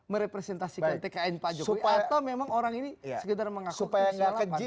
merepresentasikan tkn pak jokowi atau memang orang ini sekedar mengaku supaya enggak keji